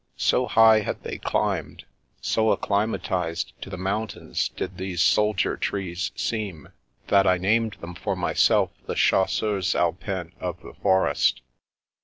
So high had they climbed, so acclimatised to Uie moun tains did these soldier trees seem, that I named them for myself the Chasseurs Alpins of the forest.